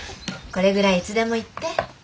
これぐらいいつでも言って。